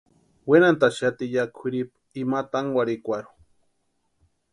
Wenhantʼaxati ya kwʼiripu ima tankurhikwarhu.